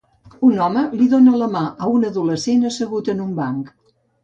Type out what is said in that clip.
Un home li dona la mà a un adolescent assegut en un banc.